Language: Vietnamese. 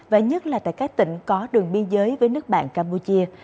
và nhất là tại các tỉnh có đường biên giới với nước bạn campuchia